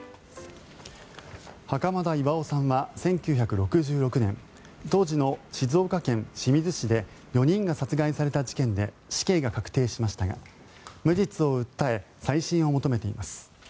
袴田巌さんは１９６６年当時の静岡県清水市で４人が殺害された事件で死刑が確定しましたが無実を訴え再審を求めています。